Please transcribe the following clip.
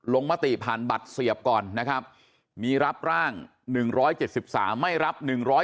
มติผ่านบัตรเสียบก่อนนะครับมีรับร่าง๑๗๓ไม่รับ